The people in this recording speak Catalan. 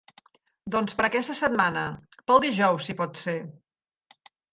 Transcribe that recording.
Doncs per aquesta setmana, pel dijous si pot ser.